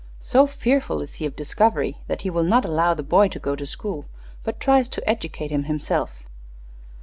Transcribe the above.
So fearful is he of discovery that he will not allow the boy to go to school, but tries to educate him himself."